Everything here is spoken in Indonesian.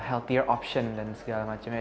option yang lebih sehat dan segala macamnya